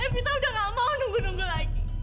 kita udah gak mau nunggu nunggu lagi